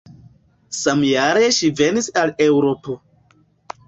Samjare ŝi venis al Eŭropo.